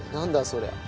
それ。